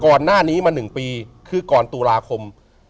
ก่อนหน้าปีก่อนตุลาคม